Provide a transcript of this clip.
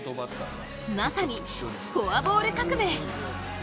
まさにフォアボール革命！